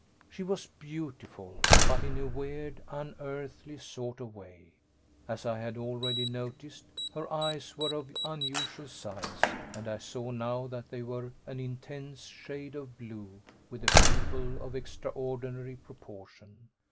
She was beautiful, but in a weird, unearthly sort of way. As I had already noticed, her eyes were of unusual size, and I saw now that they were an intense shade of blue, with a pupil of extraordinary proportion.